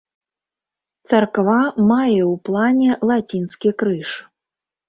Царква мае ў плане лацінскі крыж.